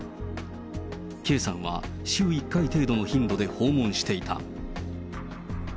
Ｋさんは週１回程度の頻度で訪問していた。